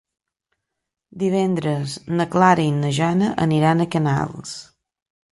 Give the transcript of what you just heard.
Divendres na Clara i na Jana aniran a Canals.